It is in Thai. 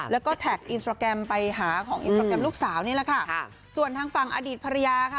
แล้วก็แท็กอินสตราแกรมไปหาของอินสตราแกรมลูกสาวนี่แหละค่ะส่วนทางฝั่งอดีตภรรยาค่ะ